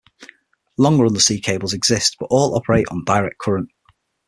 Longer undersea cables exist, but all operate on direct current.